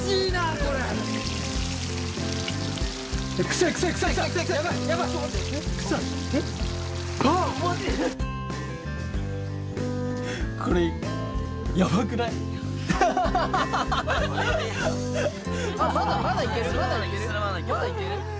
それまだいける。